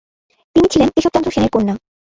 তিনি ছিলেন কেশব চন্দ্র সেনের কন্যা।